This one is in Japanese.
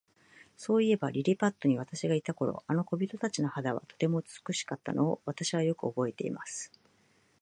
そういえば、リリパットに私がいた頃、あの小人たちの肌の色は、とても美しかったのを、私はよくおぼえています。